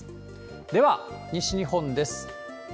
では、西日本です。